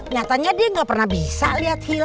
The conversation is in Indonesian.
nyatanya dia nggak pernah bisa lihat hilal